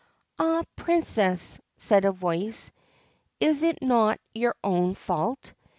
'Ah I Princess,' said a voice, 'is it not your own fault?